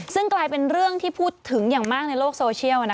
ซึ่งกลายเป็นเรื่องที่พูดถึงอย่างมากในโลกโซเชียล